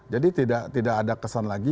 jadi tidak ada kesan lagi